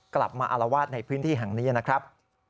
อารวาสในพื้นที่แห่งนี้นะครับ